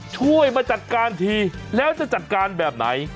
ช่วยมาจัดการทีแล้วจะจัดการแบบไหน